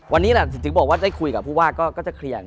วันนี้แหละถึงบอกว่าได้คุยกับผู้ว่าก็จะเคลียร์